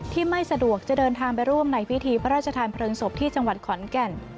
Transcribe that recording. ไม่สะดวกจะเดินทางไปร่วมในพิธีพระราชทานเพลิงศพที่จังหวัดขอนแก่น